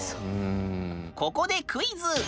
ここでクイズ！